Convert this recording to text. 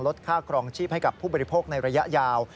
ค่าครองชีพให้กับผู้บริโภคในระยะยาว